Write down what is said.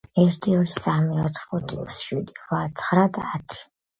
ერთი, ორი, სამი, ოთხი, ხუთი, ექვსი, შვიდი, რვა, ცხრა და ათი.